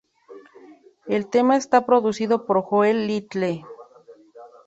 El tema está producido por Joel Little.